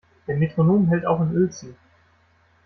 Der Metronom hält auch in Uelzen.